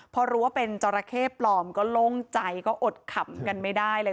พอรู้ว่าเป็นจราเข้ปลอมก็โล่งใจก็อดขำกันไม่ได้เลย